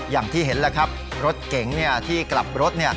อย่างที่เห็นแล้วครับรถเก๋งที่กลับรถ